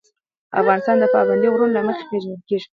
افغانستان د پابندی غرونه له مخې پېژندل کېږي.